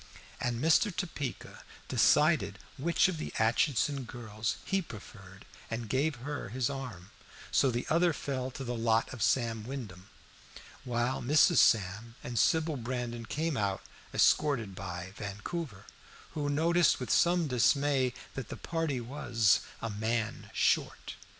And Mr. Topeka decided which of the Aitchison girls he preferred, and gave her his arm, so that the other fell to the lot of Sam Wyndham, while Mrs. Sam and Sybil Brandon came out escorted by Vancouver, who noticed with some dismay that the party was "a man short."